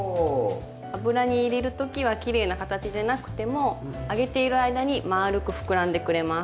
油に入れる時はきれいな形でなくても揚げている間にまあるくふくらんでくれます。